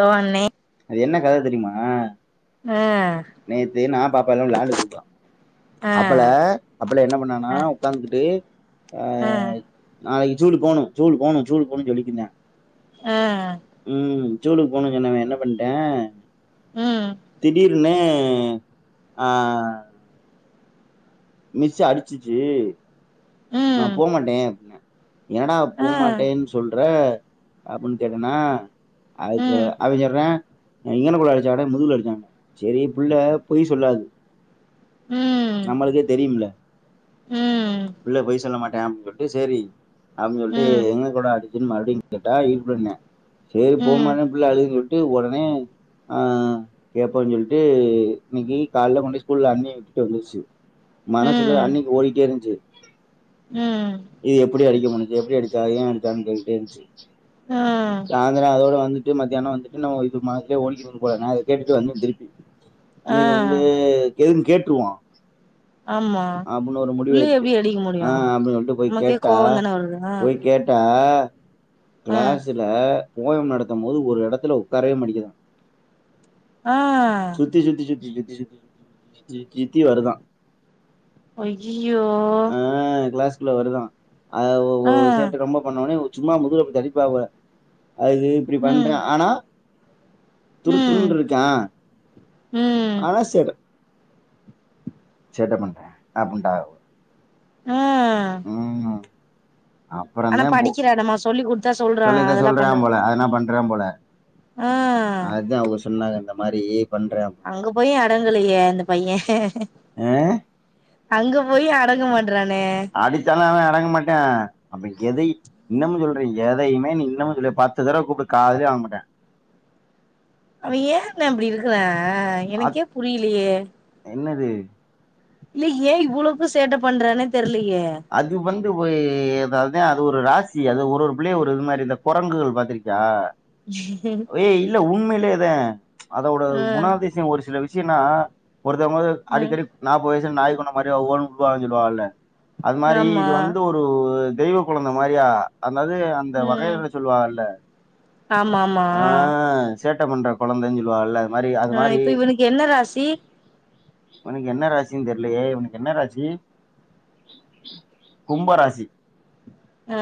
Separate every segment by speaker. Speaker 1: Hello அண்ணே
Speaker 2: அது என்ன கத தெரியுமா?
Speaker 1: ஆ
Speaker 2: நேத்து நா பா அப்பல [unintelligible]
Speaker 1: ஆ
Speaker 2: அப்பல அப்பல என்ன பண்ணான்னா
Speaker 1: ஆ
Speaker 2: உக்காந்துகிட்டு ஆ நாளக்கி ஜூலுக் போகணு ஜூலுக் போகணு ஜூலுக் போகணுனு சொல்லிக்கிருந்தா
Speaker 1: ஆ
Speaker 2: ஜூலுக்கு போகணுன்னு சொன்னவ என்ன பண்ட்டா
Speaker 1: ம்
Speaker 2: திடீர்னு ஆ ஆ மிஸ்ஸு அடிச்சிச்சு நா
Speaker 1: ம்
Speaker 2: போமாட்டே அப்பிட்னா என்னடா
Speaker 1: ஆ
Speaker 2: போமாட்டேன்னு சொல்ற அப்பின்னு கேட்டனா அதுக்கு
Speaker 1: ம்
Speaker 2: அவே சொல்றா ஆ இங்கனக்குள்ள அடிச்சாடா முதுகுல அடிச்சாங்னா செரி புள்ள பொய் சொல்லாது
Speaker 1: ம்
Speaker 2: நம்மளுக்கு ம்ல
Speaker 1: ம்
Speaker 2: பிள்ள பொய் சொ ல்ல மாட்டா அப்டின்னு சொல்ட்டு சேரி அப்டின்னு சொல்ட்டு
Speaker 1: ம்
Speaker 2: எங்கனக்குள்ளடா அடி ச்சன்னு மறுபடியுங் கேட்டா இது பண்ணே சேரி
Speaker 1: ம்
Speaker 2: போமாட்டா பிள்ள அழுகுதுன் சொல் ட்டு ஒடனே ஆ கேப்போன்னு சொல்ட்டு இன்னக்கி கால்ல கொண்டுபோய் ஸ்கூல்ல அண்ணியே விட்டுட்டு வந்துச்சு மனசுல
Speaker 1: ம்
Speaker 2: அண்ணிக்கி ஓடிட்டே இருந்துச்சு
Speaker 1: ம்
Speaker 2: ஏ எப்டி அடிக்க முடிஞ்ச்சு எப்டி அடி ச்சு அது ஏன் அடிச்சாங்கனு கேட்டுட்டே இருந்துச்சு
Speaker 1: ஆ
Speaker 2: சாயந்திரோ அதோட வந்து ட்டு மத்யானோ வந்துட்டு நா இது மாரியே ஓடிக்கினு இருக்க கூடாதுனா இது கேட்டுட்டு வந்து திருப்தி
Speaker 1: ஆ
Speaker 2: இன்னக்கி வந்து எதுக்குனு கேட்ருவோ
Speaker 1: ஆமா
Speaker 2: அப்புன்னு ஒரு முடிவு
Speaker 1: புள்ளைய
Speaker 2: எடுத்துட்டு
Speaker 1: எப்டி அடிக்க முடியு
Speaker 2: ஆ அப்டி அப்டியே போய்
Speaker 1: நமக்கே
Speaker 2: கேட்டா
Speaker 1: கோவந்தான வருது ஆ
Speaker 2: போய் கேட்டா அ
Speaker 1: ஆ
Speaker 2: கிளாஸ்ல போயம் நடத்தும்போது ஒரு எடத்துல உக்காரவே மாட்டிங்கறா
Speaker 1: ஆ
Speaker 2: சுத்தி சுத்தி சுத்தி சுத் தி சுத்தி சுத்தி சுத்தி சுத்தி சுத்தி சுத்தி வருதா
Speaker 1: ஐயய் யோ
Speaker 2: க்குள்ள வருதா ஆ ஒ ஒ சேட்ட ரொம்ப பண்ணவுன்னே சும்மா முதுகுல அப்டி தட்டிருப்பாவ அது இப்டி
Speaker 1: ம்
Speaker 2: பண்றா ஆனா
Speaker 1: ம்
Speaker 2: துருதுருன்ருக்கா
Speaker 1: ம்
Speaker 2: ஆனா சேட்ட சேட்ட பண்றா அப்டின்ட்டாவுக
Speaker 1: ஆ
Speaker 2: ம்
Speaker 1: ஆனா படிக்கிறானாம்மா சொல்லி குடுத்தா சொல்றானா அதல்லா பண்றா
Speaker 2: றா போல
Speaker 1: ஆ
Speaker 2: சொன்னாக இந்த மாரி
Speaker 1: அங்க போயு அடங்கலயே அந்த பைய [inaudible]
Speaker 2: ஆ
Speaker 1: அங்க போயு அடங்க மா
Speaker 2: அடிச்சாலு அவ அடங்க மாட்டா அவ எதை இன்னமு சொல்றே எதையுமே நீ இன்னமு சொல்ற பத்து தடவ கூப்டு காதுலயே வாங்க மாட்டா
Speaker 1: அவ ஏண்ணா அப்டி இருக்கறா ஆ எனக்கே
Speaker 2: அத்-
Speaker 1: புரியிலயே
Speaker 2: என்னது
Speaker 1: இல்ல ஏ இவ்ளக்கு சேட்ட பண்றான்னே தெர்ல
Speaker 2: அது வந் து போய் அது அதா அது ஒரு ராசி அது ஒரு ஒரு பிள்ளைக ஒரு இது மாரி இந்த கொரங்குகள் பாத்திருக்கியா ஏய் இல்ல உண்மை லயேதா அதோட
Speaker 1: ம்
Speaker 2: குணாதிசியோ ஒரு சில வி ஷியன்னா ஒருத்தவங்க வந்து
Speaker 1: ம்
Speaker 2: அடிக்கடி நாப்பது வய சுல நாய் குணோ மாரி ஒவ்வொன்னு இருப்பாகன்னு சொல்லுவாகல்ல அது மாரி
Speaker 1: ஆமா
Speaker 2: இது வந்து ஒரு தெய்வக்குழந்த மாரியா அது மாரி அந்த
Speaker 1: ம்
Speaker 2: வகையற சொல்லுவாகல்ல
Speaker 1: ஆமா ஆமா
Speaker 2: ஆ சேட்ட பண்ற கொழந்தைன்னு சொல்லுவாகல்ல
Speaker 1: ஆ இப்ப இவனுக்கு என்ன ராசி
Speaker 2: இவனுக்கு என்ன ராசின்னு தெர்லயே இவனுக்கு என்ன ராசி கும்ப ராசி
Speaker 1: ஆ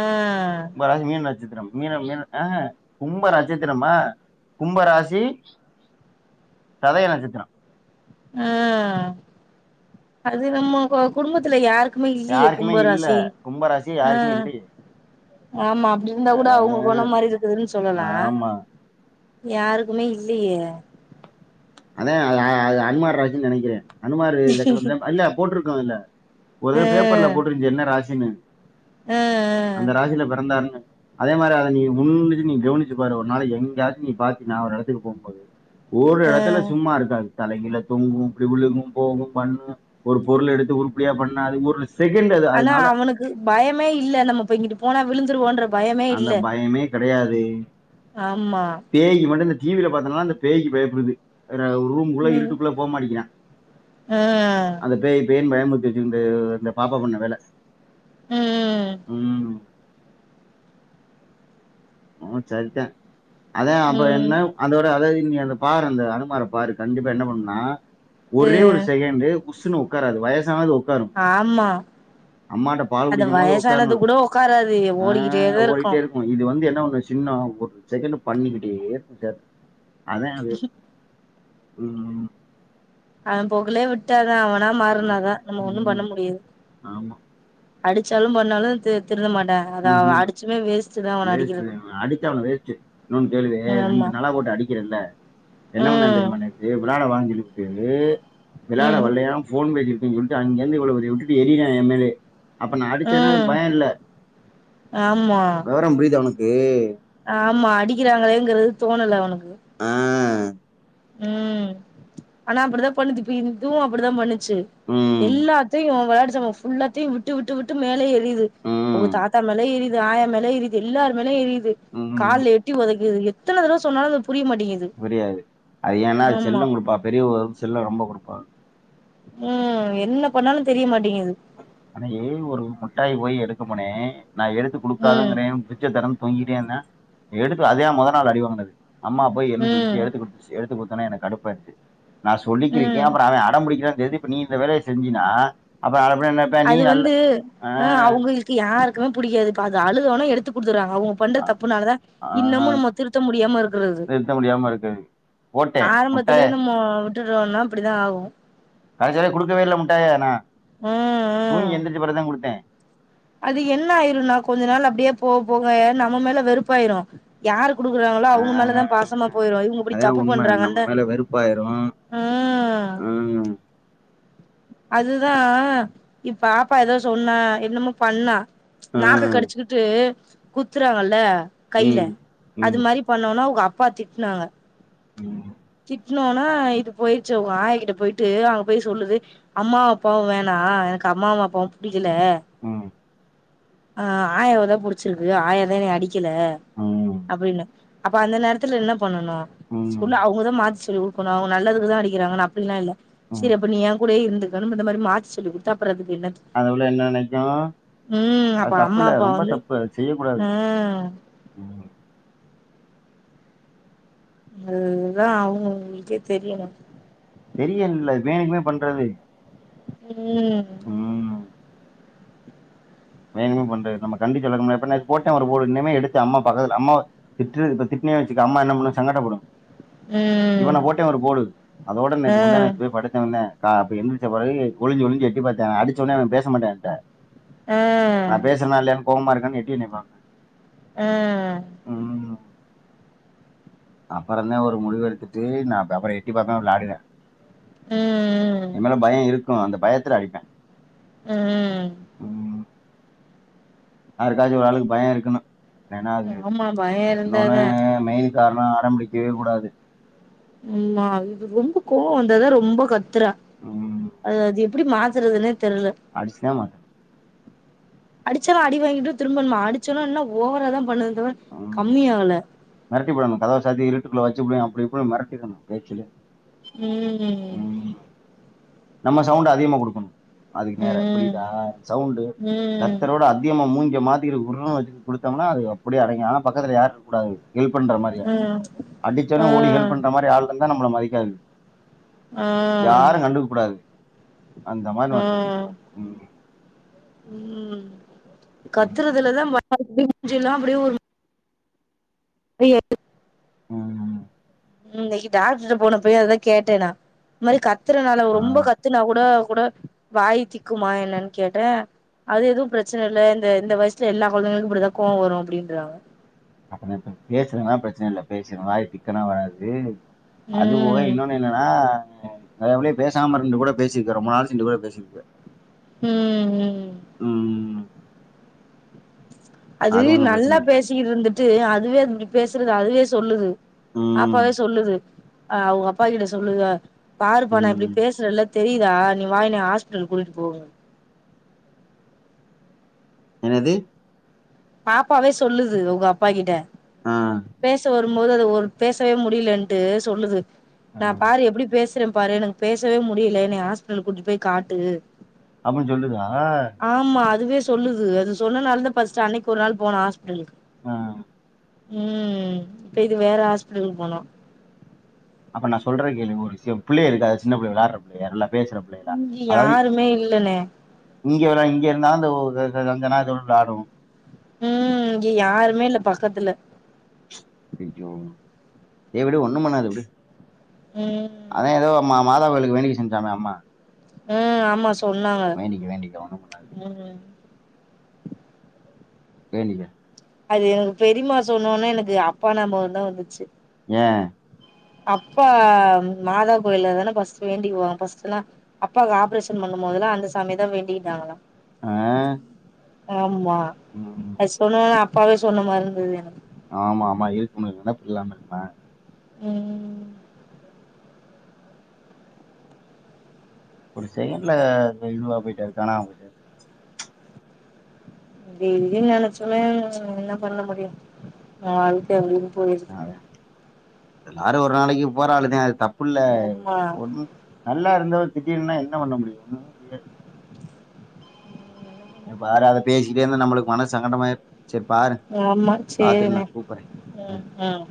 Speaker 2: கும்ப ராசி மீன ந ட்சித்திரம் மீன மீன ஆஹா கும்ப நட்சத்திரம்மா கும்ப ராசி சதய நட்சத்திரோ
Speaker 1: ஆ அது நம்மோ கொ குடும்பத்துல யாரு
Speaker 2: யாருக்குமே இல்ல கும்ப ராசி
Speaker 1: ஆ
Speaker 2: யாருக்குமே இல்லயே
Speaker 1: ஆமா அப்டி இருந்தா கூட அவங்க கொணோ மாரி இருக்குதுன்னு சொல்லலா
Speaker 2: ஆமா
Speaker 1: யாருக்குமே இல்லியே
Speaker 2: அதா அது ஆ அது அன்மார் ராசின்னு நெனைக்கிறே அனுமாரு இந்த கிழ இந்த இல்ல போட்ருக்கு அதுல ஒரு
Speaker 1: ஆ
Speaker 2: பேப்பர்ல போட்ருந்துச்சு என்ன ராசின்னு
Speaker 1: ஆ ஆ
Speaker 2: அந்த ராசில பிறந்தாருன்னு அதே மார அத நீ உன்னிச்சு நீ கவுனிச்சு பாரு ஒரு நாளைக்கி எங்கயாச்சு நீ பாத்தயினா ஒரு எடத்துக்கு போம்போது ஒரு
Speaker 1: ஆ
Speaker 2: எடத்துல சும்மா இருக்காது தலைகீழா தொங்கு இப்டி விழுகு போகு பண்ணு ஒரு பொருள எடுத்து உருப்படியா பண்ணாது ஒரு செகண்ட் அது
Speaker 1: ஆனா
Speaker 2: அதனால
Speaker 1: அவனுக்கு பயமே இல்ல நம்ம இப்போ இங்கிட்டு போனா விழுந்துடுவோன்ற
Speaker 2: அந்த பயமே கெடையாது
Speaker 1: ஆமா
Speaker 2: டிவில பாத்தன்னா அந்த பேய்க்கி பயப்படுது எதுனா ரூம்க்குள்ள
Speaker 1: ம்
Speaker 2: இருட்டுக்குள்ள போமாட்டிங்கிறா
Speaker 1: ஆ
Speaker 2: அந்த பேய் பேய்னு பயமு இண்டக்கி இந்த இந்த பாப்பா பண்ண வேல
Speaker 1: ம்
Speaker 2: ம் அவ சரித்தா அதா அப்பற
Speaker 1: ம்
Speaker 2: என்ன அதோட அத நீ அத பாரு அந்த அனுமார பாரு கண்டிப்பா என்ன பண்ணுனா
Speaker 1: அ
Speaker 2: ஒரே ஒரு செகண்டு் உஸ்ஸுனு உக்காராது வயசானா அது
Speaker 1: ஆமா
Speaker 2: பால்
Speaker 1: அது
Speaker 2: குடிக்கும் போது உட்காரணும்
Speaker 1: வயசானது கூட உக்காராது ஓடிக்கிட்டேதா இருக்கு
Speaker 2: து என்ன ஒண்ணு சின்ன ஒரு செகண்ட் பண்ணிக்கிட்டே இருக்கு சேட்ட அதா அது ம்
Speaker 1: அவ போக்குலயே விட்டு அ து அவனா மாறுனாதா நம்ம ஒண்ணும் பண்ண
Speaker 2: ம்.
Speaker 1: முடியாது
Speaker 2: ஆமா.
Speaker 1: அடிச்சாலும் பண்ணாலு தி திருந்த மாட்டா அத அவ
Speaker 2: ம்ஹூம்
Speaker 1: அடிச்சுமே வேஸ்ட் தா அவன
Speaker 2: வேஸ்ட்டு
Speaker 1: அடிக்கிறது
Speaker 2: அடிச்சாலு வேஸ்ட்டு இன்னொன்னு கேளுவே
Speaker 1: ஆமா
Speaker 2: ரெண்டு நாளா போட்டு அடிக்கிற இல்ல என்ன பண்ணா
Speaker 1: ம்
Speaker 2: தெரியுமா நேத்து விளாட வான்னு சொல்லிப்பு ட்டு வெளையாட
Speaker 1: ம்
Speaker 2: வர்லயா ஃபோன் பேசிட் ருக்கேன்னு சொல்ட்டு அங்கிருந்து இவ்ளோ பெரிய விட்டுட்டு எறியறா எம்மேலயே அப்ப நா அடிச்சன்னா
Speaker 1: ம்
Speaker 2: அதுக்கு பயோ இல்ல
Speaker 1: ஆமா
Speaker 2: விவரம் புரியுதா உனக்கு?
Speaker 1: ஆமா அடிக்கிறாங்களேங்கிறது தோணல அவனு க்கு
Speaker 2: அ
Speaker 1: ம் ஆனா அப்பிடிதா பண்ணுது இப்ப இது இதுவு அப்பிடிதா பண்ணு ச்சு
Speaker 2: ம்.
Speaker 1: எல்லாத்தையு வெளையாட்டு ஜாமா ஃபுல்லாத்தையு விட்டு விட்டு விட்டு மேலயே எறி யுது அவுங்க
Speaker 2: ம்.
Speaker 1: தாத்தா மேல எறி யுது ஆயா மேல எறியுது எல்லாரு மேல எறியு து
Speaker 2: ம்.
Speaker 1: கால்ல எட்டி ஒதைக்கிது எ எத்தன தடவ சொன்னாலு புரியமாட்டிங்குது
Speaker 2: புரியாது. அது ஏன்னா அது செல்லங் குடுப்பா பெரியவுக அது செல்ல ரொம்ப குடுப்பா அ
Speaker 1: ம் என்ன பண்ணாலு தெரியமாட்டேங்குது
Speaker 2: அன்னக்கி ஒரு முட்டாய் போய் எடுக்க போனே நா எடுத்து
Speaker 1: ம்
Speaker 2: குடுக்காதங்கிறே பிச்சு தரன் தொங்கிட்டே இருந்தா எடுப்பு அதே மொத நாள் அடி வாங்னது அம்மா போய் என்ன
Speaker 1: ம்
Speaker 2: சொல்லுச்சு எடுத்து குடுத்துச்சு எடுத்து குடுத் தவுன்னே எனக்கு கடுப்பாயிடுச்சு நான் சொல்லிக்கிருக்கே
Speaker 1: ம்
Speaker 2: அப்புற அவே அடம்புடிக்கிறான்னு தெரிது இப்ப நீ இந்த வேலய செஞ்சியினா அப்பறோ [unintelligible]
Speaker 1: அது வந்து ஆ அவங்களுக்கு யாரு க்கு புடிக்காது இப்ப அது அழுத உட்னே எடுத்து குடுத் தர்றாங்க அவுங்க பண்ற
Speaker 2: ஆ,
Speaker 1: தப்புனாலதா
Speaker 2: ஆ,
Speaker 1: இன்னமு நம்ம திருத்த முடியாம இருக்குறது
Speaker 2: நிறுத்த முடியாம இருக்கு போட்டேன்
Speaker 1: ஆரம்பத்தில
Speaker 2: முட்டாய
Speaker 1: நம்மோ விட்டுட்டோன்னா அப்பிடிதா ஆகு
Speaker 2: கடைசிவர குடுக்கவே இல்ல முட்டாய நா
Speaker 1: ம் ம்
Speaker 2: தூங்கி எந்திரிச்ச பெறகுதா குடுத்தே
Speaker 1: அது என்ன ஆயிருன்னா கொஞ்ச நாள் அப்டியே போக போக நம்ம மேல வெறுப்பாயிரு யாரு குடுக்குறாங்களோ அவங்க மேலதா
Speaker 2: ஆ,
Speaker 1: பாசமா போயிரு இவங்க இப்பிடி
Speaker 2: அதான்
Speaker 1: தப்பு
Speaker 2: உண்மை நம்ம
Speaker 1: பண்றாங்கன்னு
Speaker 2: மேல வெறுப்பாயிரும்
Speaker 1: ம்
Speaker 2: ம்
Speaker 1: அதுதா இ பாப்பா எதோ சொன்னா என்னமோ பண்ணா நாக்க
Speaker 2: ம்
Speaker 1: கடிச்சுக்கிட்டு குத்துறாகல்ல கைல
Speaker 2: ம் ம்
Speaker 1: அது மாரி பண்ணவுன்னே அவங்க அ ப்பா திட்னாங்க
Speaker 2: ம்.
Speaker 1: திட்னவுன்னா இது போயிருச்சு அவங்க ஆயாகிட்ட போயிட்டு அங்க போய் சொல்லுது அம்மா அப்பாவு வேணா எனக்கு அம்மாவு அப்பாவு புடி க்கில
Speaker 2: ம்.
Speaker 1: ஆ ஆயாவதா புடிச்சிருக்கு ஆயாதா என்னய அடி க்கில
Speaker 2: ம்.
Speaker 1: அப்பிடின்னு அப்ப அந்த நேரத்துல என்ன பண்ணனு
Speaker 2: ம்.
Speaker 1: சொல்லு அவுங்கதா மாத்தி சொல்லி குடுக்கணு அவங்க நல்லதுக்குதா அடிக்கிறாங்கன்னு அப்பிடிலா இல்ல
Speaker 2: ம்.
Speaker 1: சேரி அப்ப நீ ஏன் கூடயே இருந்துரு தெனமு இந்த மாரி மாத்தி சொல்லி குடுத்தா அப்புற அது
Speaker 2: அந்த பிள்ள என்ன நெனைக்கு
Speaker 1: ம்
Speaker 2: அது
Speaker 1: அப்ப அம்மா
Speaker 2: தப்புல்ல
Speaker 1: அப்பா
Speaker 2: ரொம்ப
Speaker 1: வந்து
Speaker 2: தப்பு அத செய்ய கூடாது
Speaker 1: ஆ
Speaker 2: ம்
Speaker 1: அதுதா அவுங்கவுங்களுக்கே தெரியணு
Speaker 2: தெரியாம இல்ல அது வேணுக்குமே பண்றது
Speaker 1: ம்
Speaker 2: வேணும்னே பண்றது நம்ம கண்டிக்கல நம்ம அப்பற நேத்து போட்டே ஒரு போடு இனிமே எடுத்து அம்மா பக்கத்துல அம்மாவ திட்டு இப்ப திட்னே வச்சுக்க அம்மா என்ன பண்ணு சங்கடப்படு
Speaker 1: ம்
Speaker 2: இவன போட்டே ஒரு போடு அதோட
Speaker 1: ஆ
Speaker 2: நேத்து முந்தா நேத்து போய் படுத்தவந்தே கா அப்ப எந்திரிச்ச பெறகு ஒளிஞ்சு ஒளிஞ்சு எட்டி பாத்தா அடிச்சவுன்னே அவ பேச மாட்டா என்ட்ட
Speaker 1: ஆ
Speaker 2: நா பேசறனா இல்லையானு கோவமா இரு [unintelligible] எட்டி என்னய பாப்பா
Speaker 1: ஆ
Speaker 2: ம் அப்பறந்தா ஒரு முடிவு எடுத்துட்டு நா அப்ப அப்பற எட்டி பாப்பா வெளாடுனே
Speaker 1: ம்
Speaker 2: எம்மேல பயோ இரு க்கு அந்த பயத்துல அடிப்பே
Speaker 1: ம்
Speaker 2: யாருக்காச்சு ஒரு ஆளுக்கு பயோ இருக்கணு இல்லன்னா அது
Speaker 1: ஆமா பய
Speaker 2: இன்னொன்னு
Speaker 1: இருந்தாதா
Speaker 2: மெய்ன் காரணோ அடம்புடிக்கவே கூடாது
Speaker 1: ம் அது இது ரொம்ப கோவோ வந்தாதா ரொம்ப கத் துறா அது அது எ ப்பிடி மாத்தறதுன்னே
Speaker 2: அடிச்சுதா மாத்தணு
Speaker 1: அடிச்சாலு அடி வாங்கிட்டு திரும்ப நம்ம அடிச்சாலு இன்னா ஓவராதா பண்ணுது தவிர
Speaker 2: ம்
Speaker 1: கம்மியாகல
Speaker 2: மெரட்டிப்புடனு கதவ சாத்தி இருட்டுக்குள்ள வ ச்சுப்புடுவே அப்டி இப்டி மெரட்டிரணு பேச்சுலயே
Speaker 1: ம்
Speaker 2: நம்ம சவுண்டு அதிகமா குடுக்கணு அதுக்கு நேரா
Speaker 1: ம்
Speaker 2: புரியுதா சவுண்டு
Speaker 1: ம்
Speaker 2: கத்தறோட அதிகமா மூஞ்சிய மாத் தி இது உர்ருனு வச்சுக்கிட்டு குடுத்தோம்னா அது அப்பிடியே அடங்கிரு ஆனா பக்கத்துல யாரு இருக்க கூடாது ஹெல்ப் பண்ற மாரியா
Speaker 1: ம் ஆ
Speaker 2: அடிச்சவுன்னே ஓடி ஹெல்ப் பண்ற மாரி ஆள் [unintelligible] ந்தா நம்மள மதிக்காது
Speaker 1: ஆ
Speaker 2: யாரு கண்டுக்க கூடாது அந்த மாரி
Speaker 1: ஆ
Speaker 2: மெரட்டணு ம்
Speaker 1: ம் கத்துறதுலதா [inaudible] எல்லா அப்டியே ஒரு [unintelligible]
Speaker 2: ம்
Speaker 1: ம் இன்னக்கி டாக்ட்ருகிட்ட போனப்பயு அதுதா கேட்ட நா இந்த மாரி க த்துறனால
Speaker 2: ஆ.
Speaker 1: ரொம்ப கத்துனா கூட கூட வாய் திக்குமா என்னன்னு கேட்டே அது எதுவு பிரச்சன இல்ல இந்த இந்த வயசுல எல்லா கொழந்தைங்களுக்கு இப்பிடிதா கோவோ வரு அப்டின்றாங்க
Speaker 2: அப்பனா இப்ப பேசுதுன்னா பிரச்சன இல்ல பேசிரு வாய் திக்கல்லா வராது அது போக
Speaker 1: ம்
Speaker 2: இன்னொன்னு என்னன்னா நெறைய புள்ளைக பேசாம இருந்து கூட பேசிருக்கு ரொம்ப நாள் சேந்து கூட பேசிருக்கு
Speaker 1: ம் ம் அது
Speaker 2: ஒண்ணும்
Speaker 1: நல்லா
Speaker 2: பிரச்சனை இல்ல.
Speaker 1: பேசிக்கிட்டு இருந்துட்டு அத் அதுவே இப்டி பேசுறது அதுவே சொல்லுது
Speaker 2: ம்.
Speaker 1: பாப்பாவே சொல்லுது ஆ அவுங்க அப்பா கிட்ட சொல்லுது பாருப்பா நா இப்டி
Speaker 2: ம்.
Speaker 1: பேசுறல்ல தெரியுதா நீ வா என்ன ஹாஸ்பிடல் கூட்டிட்டு போங்குது
Speaker 2: என்னது
Speaker 1: பாப்பாவே சொல்லுது அவுங்க அப்பா கிட்ட
Speaker 2: ஆ.
Speaker 1: பேச வ ரும்போது அது ஒரு பேசவே முடியலன்ட்டு சொல்லுது
Speaker 2: ஆ.
Speaker 1: நா பாரு எப்டி பே சற பாரு எனக்கு பேசவே முடியல என்னய ஆஸ்பிட்டலுக்கு கூட்டிட்டு போய் காட்டு
Speaker 2: அப்பிடின்னு சொல்லுதா
Speaker 1: ஆமா அதுவே சொல்லுது அது சொன்னனாலதா ஃபஸ்ட்டு அன்னக் கி ஒரு நாள் போனோ ஆஸ்பிட்டலுக்கு
Speaker 2: ஆ
Speaker 1: ம் இப்ப இது வேற ஆஸ்பிட்டலுக்கு போனோ
Speaker 2: இப்ப நா சொல்ற கேளு ஒரு விஷயோ பிள்ளைக இருக்கா அதாது சின்ன பிள்ளைக வெளாடற பிள்ளைக நல்லா பேசுற பிள்ளைகளா?
Speaker 1: இங்க
Speaker 2: அதாவது
Speaker 1: யாருமே இல்லண்ணே
Speaker 2: இங்க வேண்டா இங்க இருந்தா அந்த [unintelligible]
Speaker 1: ம் இங்க யாருமே இல்ல பக்கத்துல
Speaker 2: ஐயயோ சேரி விடு ஒண்ணும் பண்ணாது விடு
Speaker 1: ம்
Speaker 2: அதா ஏதோ மாப் மாதாவளுக்கு வேணிக்க செஞ்சானா அம்மா
Speaker 1: ம் ஆமா ஸ் சொன்னாங்க
Speaker 2: வேண்டிக்க வேண்டிக்க ஒண்ணும் பண்ணாது
Speaker 1: ம் ம்
Speaker 2: வேண்டிக்க
Speaker 1: அது பெரியமா சொன்ன ஒன்னே எனக்கு அப்பா நாபகந்தா வந்துச்சு
Speaker 2: ஏ
Speaker 1: அப்பா மாதா கோயில்லதான பஸ்ட் வேண்டிக்குவோ பஸ்ட்டுளா அப்பாவுக்கு ஆப்ரேஷன் பண்ணும் போதுல்லா அந்த சாமியதா வேண்டிக்கிட்டாங்களா
Speaker 2: ஆ?
Speaker 1: ச்சா ஆம் மா
Speaker 2: ம்.
Speaker 1: அது சொல்லலன்னா ப் அப்பாவே சொன்ன மார் இருந்துது எனக்கு
Speaker 2: ஆமா ஆமா இருக்குமே நெனப்பு இல்லாம இருக்குமா
Speaker 1: ம் ம் ம்
Speaker 2: ஒரு செகண்ட்ல ஆ இதுவா போயிட்டாரு காணாம போயிட்டாரு
Speaker 1: டெய்லியு நெனைச்சுமே என்ன பண்ண முடியு வாழ்க்க அவ்ளோதா
Speaker 2: அது எல்லாரு ஒரு நாளைக்குப் போராளுதே அது தப் ப்புள்ளய்
Speaker 1: ஆமா
Speaker 2: ஒ நல்லா இருந்தவர் திடீர்ன்னு என்ன பண்ண முடியு ஒன்னுமே முடியாது வேற அத பேசிட்டே இருந்தா நம்முளுக்கு மனசு சங்கடமாயிரு சரி பாரு
Speaker 1: ஆமா
Speaker 2: பாத்துட்டு
Speaker 1: சேரினே
Speaker 2: நான் கூப்பிடுறேன்
Speaker 1: ம் ம்